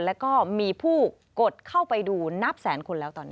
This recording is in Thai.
แล้วก็มีผู้กดเข้าไปดูนับแสนคนแล้วตอนนี้